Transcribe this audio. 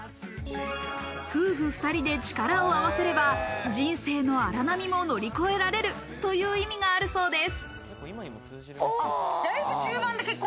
夫婦２人で力を合わせれば人生の荒波も乗り越えられるという意味があるそうです。